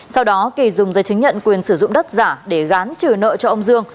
sau đó kỳ dùng giấy chứng nhận quyền sử dụng đất giả để gán trừ nợ cho ông dương